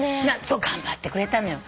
そう頑張ってくれたのよ。